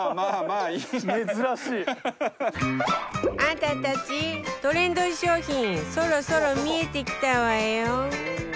あんたたちトレンド商品そろそろ見えてきたわよ